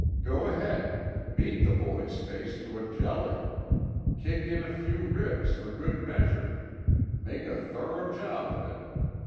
"Go ahead. Beat the boy's face to a jelly. Kick in a few ribs for good measure. Make a thorough job of it.